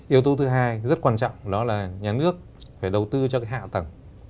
yếu tố thứ hai rất quan trọng đó là nhà nước phải đầu tư cho cái hạ tầng